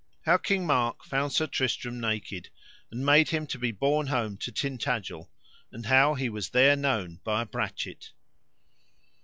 How King Mark found Sir Tristram naked, and made him to be borne home to Tintagil, and how he was there known by a brachet.